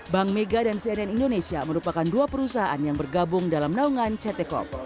bank mega dan cnn indonesia merupakan dua perusahaan yang bergabung dalam naungan ct corp